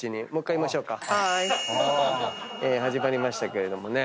始まりましたけれどもね。